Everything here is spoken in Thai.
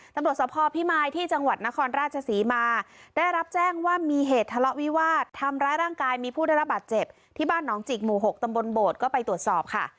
ตำรวจสภพิมายที่จังหวัดนครราชศรีมาได้รับแจ้งว่ามีเหตุทะเลาะวิวาสทำร้ายร่างกายมีผู้ได้รับบาดเจ็บที่บ้านหนองจิกหมู่๖ตำบลโบดก็ไปตรวจสอบค่ะ